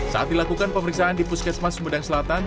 saat dilakukan pemeriksaan di puskesmas sumedang selatan